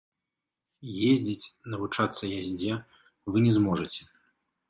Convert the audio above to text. Ездзіць, навучацца яздзе вы не зможаце.